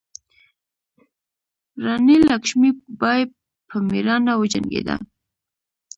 راني لکشمي بای په میړانه وجنګیده.